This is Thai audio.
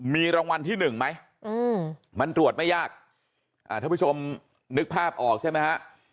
มีรางวัลที่หนึ่งไหมมันตรวจไม่ยากท่านผู้ชมนึกภาพออกใช่ไหมฮะ